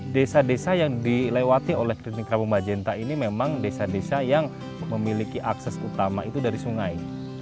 desa desa yang dilewati oleh klinik rabu majenta ini memang desa desa yang memiliki akses utama itu dari sungai